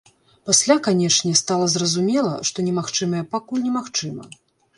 Пасля, канечне, стала зразумела, што немагчымае пакуль немагчыма.